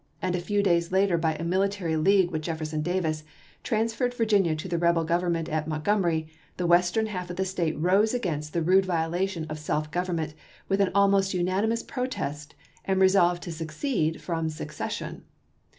and a few days later by a military league with Jefferson Davis, transferred Virginia to the rebel Grovernment at Montgomery, the Western half of the State rose against the rude violation of self government with an almost unanimous protest and resolved to secede from secession.